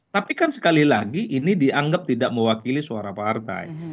tapi kan sekali lagi ini dianggap tidak mewakili suara partai